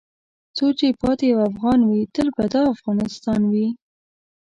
څو چې پاتې یو افغان وې تل به دا افغانستان وې .